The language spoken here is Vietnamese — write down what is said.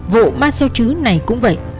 vụ ma seo chứ này cũng vậy